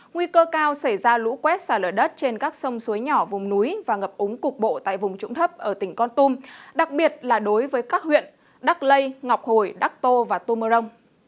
nguy cơ cao xảy ra lũ quét xả lở đất trên các sông suối nhỏ vùng núi và ngập úng cục bộ tại vùng trụng thấp ở tỉnh con tum đặc biệt là đối với các huyện đắc lây ngọc hồi đắc tô và tô mơ rông